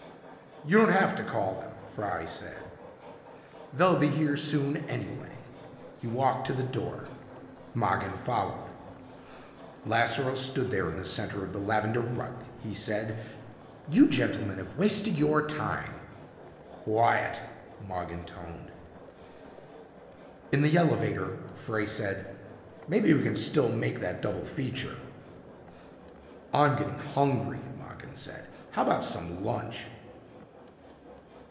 "You don't have to call them," Fry said. "They'll be here soon anyway." He walked to the door. Mogin followed. Lasseroe stood there in the center of the lavender rug. He said, "You gentlemen have wasted your time." "Quiet," Mogin toned. In the elevator Frey said, "Maybe we can still make that double feature." "I'm getting hungry," Mogin said. "How about some lunch?"